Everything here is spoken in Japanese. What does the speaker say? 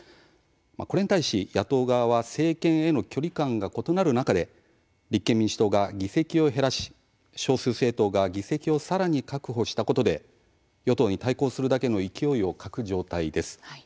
これに対し、野党側は政権への距離感が異なる中で立憲民主党が議席を減らし少数政党が議席をさらに確保したことで与党に対抗するだけの勢いを欠く状態です。